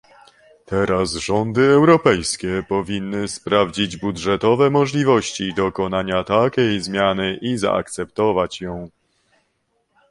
Teraz rządy europejskie powinny sprawdzić budżetowe możliwości dokonania takiej zmiany i zaakceptować ją